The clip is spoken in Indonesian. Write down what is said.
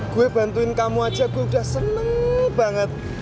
gua bantuin kamu aja gua udah seneng banget